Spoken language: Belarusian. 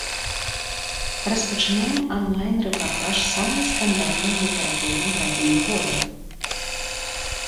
Распачынаем анлайн-рэпартаж самай скандальнай літаратурнай падзеі года.